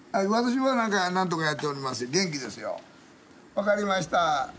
分かりました。